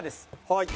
はい。